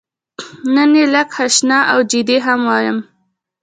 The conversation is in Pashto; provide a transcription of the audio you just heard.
نن یې لږه خشنه او جدي هم وایم.